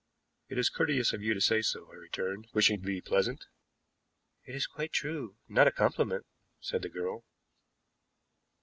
"It is courteous of you to say so," I returned, wishing to be pleasant. "It is quite true, not a compliment," said the girl.